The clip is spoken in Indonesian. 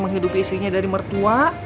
menghidupi istrinya dari mertua